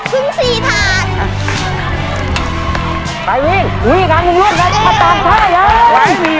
ไปวิ่งดูนี้กับสินวัติกับปัตตังใจ